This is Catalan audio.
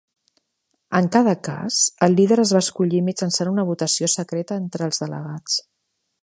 En cada cas, el líder es va escollir mitjançant una votació secreta entre els delegats.